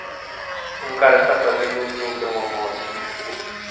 Um cara está fazendo um truque em uma moto.